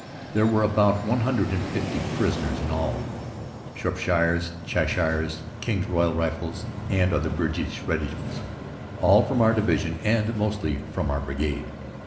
There were about one hundred and fifty prisoners in all Shropshires, Cheshires, King's Royal Rifles and other British regiments all from our division and mostly from our brigade.